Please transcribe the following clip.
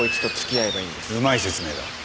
うまい説明だ。